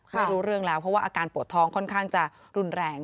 ไม่รู้เรื่องแล้วเพราะว่าอาการปวดท้องค่อนข้างจะรุนแรง